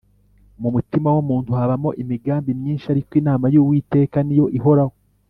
mu mutima w’umuntu habamo imigambi myinshi, ariko inama y’uwiteka ni yo ihoraho